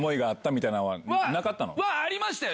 ありましたよ